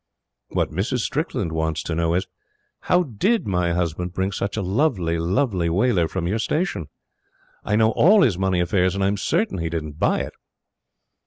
What Mrs. Strickland wants to know is: "How DID my husband bring such a lovely, lovely Waler from your Station? I know ALL his money affairs; and I'm CERTAIN he didn't BUY it."